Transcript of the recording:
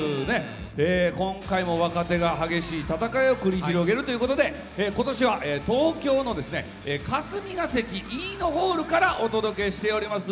今回も若手が激しい戦いを繰り広げるということで今年は、東京の霞が関イイノホールからお届けしております。